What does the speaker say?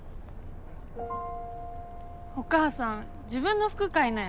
お母さん自分の服買いなよ。